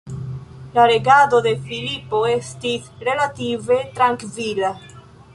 La regado de Filipo estis relative trankvila.